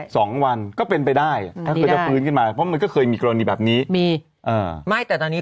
สองวันก็เป็นไปได้อ่ะถ้าเขาจะฟื้นขึ้นมาเพราะมันก็เคยมีกรณีแบบนี้มีอ่าไม่แต่ตอนนี้